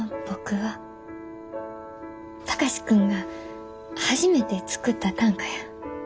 貴司君が初めて作った短歌や。